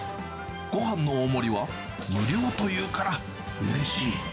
ごはんの大盛りは無料というから、うれしい。